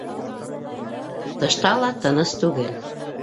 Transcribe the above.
Тышта ла тыныс түгел.